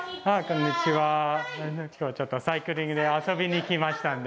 今日はちょっとサイクリングで遊びに来ましたんで。